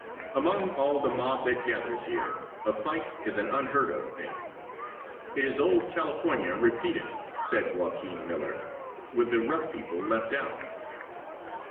Among all the mob that gathers here, a fight is an unheard of thing. "It is old California repeated," said Joaquin Miller, "with the rough people left out."